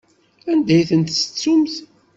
Anda ay tent-tettumt?